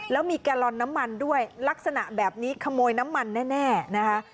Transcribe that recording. แล้วมีแกลลอนน้ำมันด้วยลักษณะแบบนี้ขโมยน้ำมันแน่นะคะ